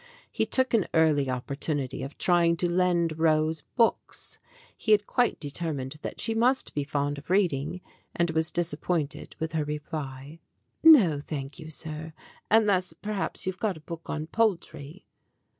He took an early opportunity of trying to lend Rose books. He had quite determined that she must be fond of reading, and was disappointed with her reply : "No, thank you, sir. Unless perhaps you've got a book on poultry."